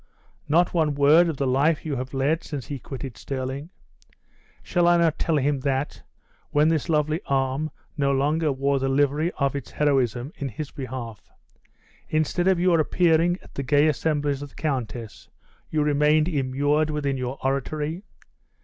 not one word of the life you have led since he quitted Stirling? Shall I not tell him that, when this lovely arm no longer wore the livery of its heroism in his behalf, instead of your appearing at the gay assemblies of the countess, you remained immured within your oratory?